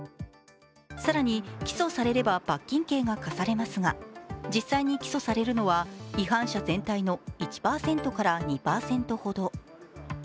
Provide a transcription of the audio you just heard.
更に、起訴されれば罰金刑が科されますが、実際に起訴されるのは違反者全体の１％から２％ほど。